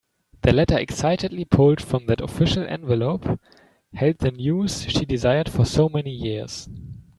The letter excitedly pulled from that official envelope held the news she desired for so many years.